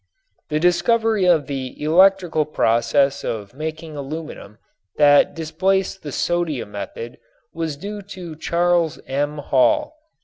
The discovery of the electrical process of making aluminum that displaced the sodium method was due to Charles M. Hall.